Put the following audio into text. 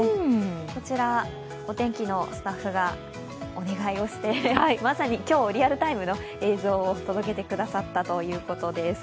こちら、お天気のスタッフがお願いをして、まさに今日リアルタイムの映像を届けてくださったということです。